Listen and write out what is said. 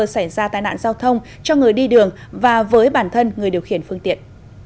xảy ra tai nạn giao thông cho người đi đường và với bản thân người điều khiển phương tiện